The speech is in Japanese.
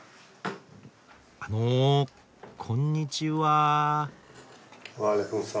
あのこんにちは。